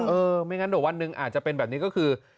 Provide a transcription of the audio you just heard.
เออไม่งั้นโดยวันนึงอาจจะเป็นแบบนี้ก็คือ